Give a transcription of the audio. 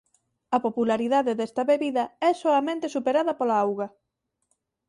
A popularidade desta bebida é soamente superada pola auga.